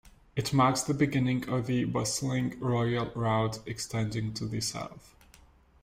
It marks the beginning of the bustling Royal Route extending to the south.